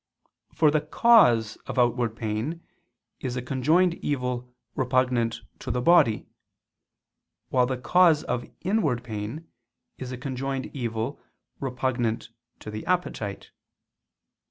For the cause of outward pain is a conjoined evil repugnant to the body; while the cause of inward pain is a conjoined evil repugnant to the appetite.